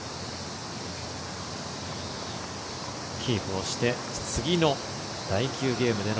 キープをして次の第９ゲームでの